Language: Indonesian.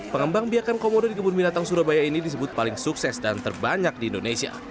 pengembang biakan komodo di kebun binatang surabaya ini disebut paling sukses dan terbanyak di indonesia